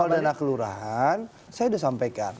bicara soal dana kelurahan saya sudah sampaikan